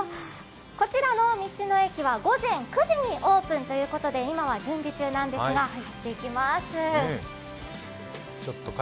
こちらの道の駅は午前９時オープンということで今は準備中なんですが、行ってきます。